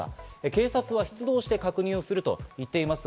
警察は出動して確認をすると言っています。